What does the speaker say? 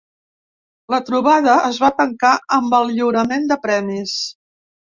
La trobada es va tancar amb el lliurament de premis.